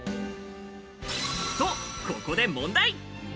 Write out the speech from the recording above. と、ここで問題！